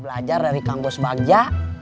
belajar dari kang bos bagja